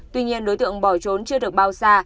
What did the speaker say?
tuy nhiên đối tượng bỏ trốn chưa được bao xa